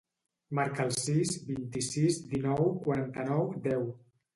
Marca el sis, vint-i-sis, dinou, quaranta-nou, deu.